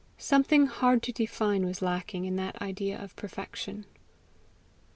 Something hard to define was lacking to that idea of perfection.